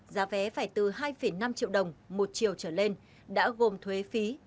giá vé phải từ hai năm triệu đồng một triệu trở lên đã gồm thuế phí